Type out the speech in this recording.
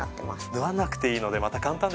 縫わなくていいのでまた簡単ですよね。